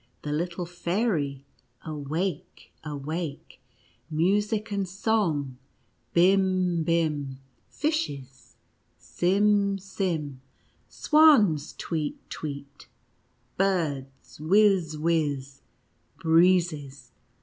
The little fairy — awake, awake ! Music and song — bim bim, fishes — sim sim, swans — tweet tweet, birds — whiz whiz, breezes